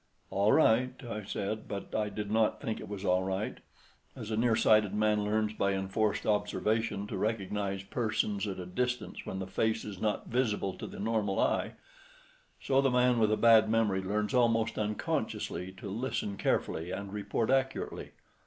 "All right," I said; but I did not think it was all right. As a nearsighted man learns by enforced observation to recognize persons at a distance when the face is not visible to the normal eye, so the man with a bad memory learns, almost unconsciously, to listen carefully and report accurately.